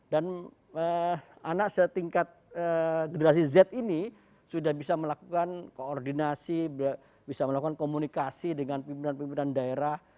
dan anak setingkat generasi z ini sudah bisa melakukan koordinasi bisa melakukan komunikasi dengan pimpinan pimpinan daerah